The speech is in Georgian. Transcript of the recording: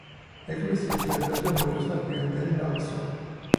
ეკლესიის კედლებზე მოიხსნა გვიანდელი ნალესობა.